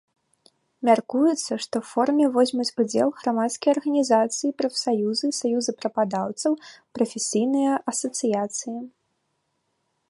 Мяркуецца, што ў форуме возьмуць удзел грамадскія арганізацыі, прафсаюзы, саюзы працадаўцаў, прафесійныя асацыяцыі.